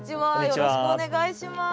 よろしくお願いします。